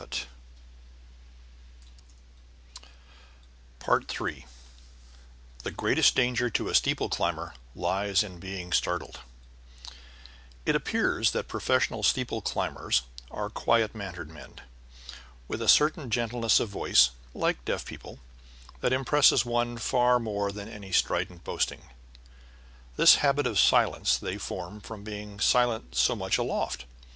] III THE GREATEST DANGER TO A STEEPLE CLIMBER LIES IN BEING STARTLED IT appears that professional steeple climbers are quiet mannered men, with a certain gentleness of voice (like deaf people) that impresses one far more than any strident boasting. This habit of silence they form from being silent so much aloft.